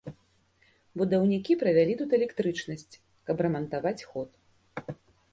Будаўнікі правялі тут электрычнасць, каб рамантаваць ход.